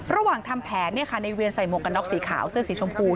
ระหว่างทำแผนในเวียนใส่หมวกกันน็อกสีขาวเสื้อสีชมพู